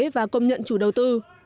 và công nhận chủ đầu tư